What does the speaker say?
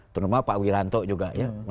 terutama pak wilanto juga